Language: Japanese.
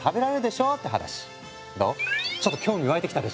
ちょっと興味湧いてきたでしょ。